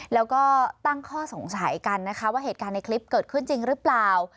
แล้วก็ตั้งข้อสงสัยกันนะคะว่าเหตุการณ์ในคลิปเกิดขึ้นจริงหรือเปล่า